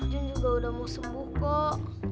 jun juga udah mau sembuh kok